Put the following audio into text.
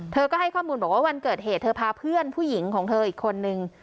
เธอก็ให้ข้อมูลบอกว่าวันเกิดเหตุเธอพาเพื่อนผู้หญิงของเธออีกคนนึง